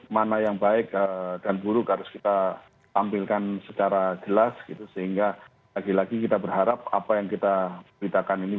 mana yang baik ee dan buruk harus kita tampilkan secara jelas gitu